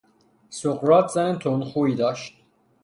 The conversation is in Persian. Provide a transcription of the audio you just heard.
سقراط زن تندخویی داشت